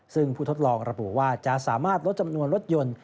ซึ่งผู้ทดลองระบุว่าจะสามารถลดจำนวนรถยนต์